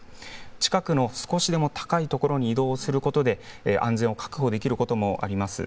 近くの少しでも高い所に移動することで安全を確保できることもあります。